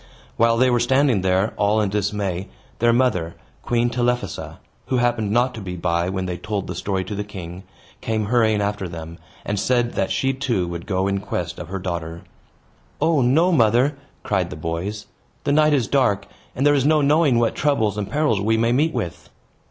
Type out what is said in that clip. While they were standing there, all in dismay, their mother, Queen Telephassa (who happened not to be by when they told the story to the king), came hurrying after them, and said that she too would go in quest of her daughter. "O, no, mother!" cried the boys. "The night is dark, and there is no knowing what troubles and perils we may meet with."